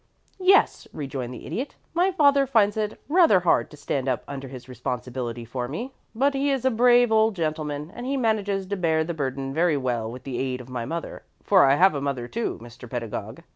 "Yes," rejoined the Idiot; "my father finds it rather hard to stand up under his responsibility for me; but he is a brave old gentleman, and he manages to bear the burden very well with the aid of my mother for I have a mother, too, Mr. Pedagog.